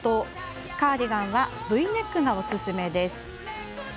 カーディガンはＶネックがおすすめです。